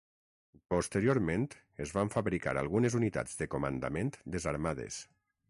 Posteriorment es van fabricar algunes unitats de comandament desarmades.